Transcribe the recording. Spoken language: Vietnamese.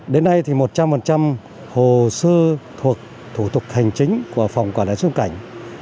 đến nay thì một trăm linh hồ sơ thuộc thủ tục hành chính của phòng quản lý xuân cảnh